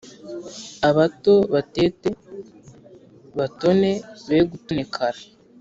abato batete batone be gutonekara